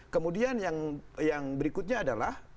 kemudian yang berikutnya adalah